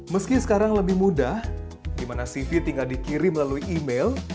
meski sekarang lebih mudah di mana cv tinggal dikirim melalui email